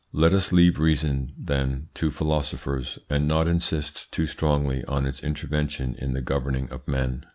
Let us leave reason, then, to philosophers, and not insist too strongly on its intervention in the governing of men.